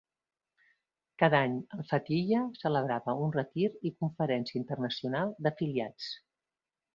Cada any, Al-Fatiha celebrava un retir i conferència internacional d'afiliats.